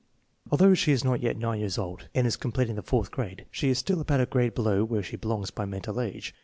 Although she is not yet 9 years old and is completing the fourth grade, she is still about a grade below where she belongs by mental age.